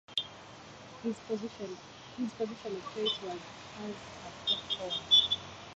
His position of choice was as a prop forward.